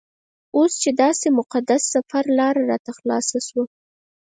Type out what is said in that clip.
اوس چې داسې مقدس سفر لاره راته خلاصه شوه.